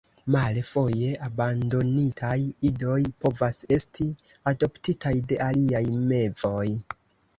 Male, foje abandonitaj idoj povas esti adoptitaj de aliaj mevoj.